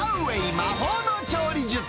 魔法の調理術！